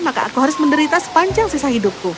maka aku harus menderita sepanjang sisa hidupku